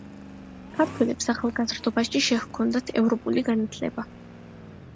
ქართველებს ახალგაზრდობაში შეჰქონდათ ევროპული განათლება.